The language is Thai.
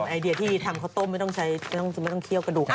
ไอเดียที่ทำเขาต้มไม่ต้องเคี่ยวกระดูก